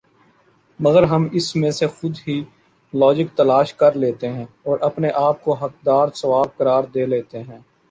مگر ہم اس میں سے خود ہی لاجک تلاش کرلیتےہیں اور اپنے آپ کو حقدار ثواب قرار دے لیتےہیں